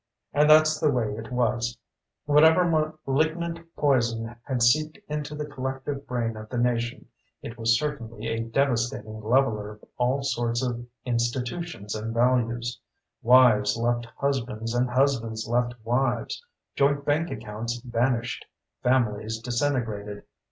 And that's the way it was. Whatever malignant poison had seeped into the collective brain of the nation, it was certainly a devastating leveler of all sorts of institutions and values. Wives left husbands and husbands left wives. Joint bank accounts vanished. Families disintegrated.